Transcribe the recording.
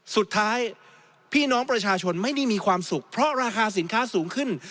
สุดท้ายพี่น้องประชาชนไม่ได้มีความสุขเพราะราคาสินค้าสูงขึ้น